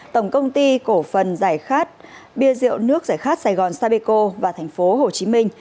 tổng công ty cổ phần giải khát bia rượu nước giải khát sài gòn sapeco và thành phố hồ chí minh